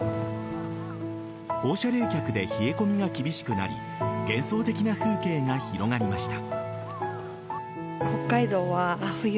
放射冷却で冷え込みが厳しくなり幻想的な風景が広がりました。